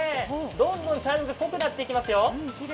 どんどん茶色が濃くなっていきますよ。